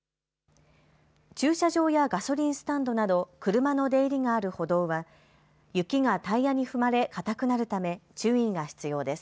駐車場やガソリンスタンドなど車の出入りがある歩道は雪がタイヤに踏まれ固くなるため注意が必要です。